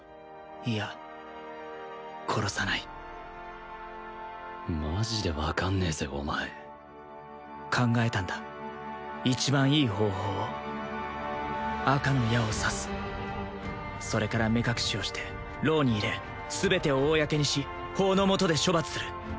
いや殺さないマジで分かんねえぜお前考えたんだ一番いい方法を赤の矢を刺すそれから目隠しをして牢に入れ全てを公にし法の下で処罰する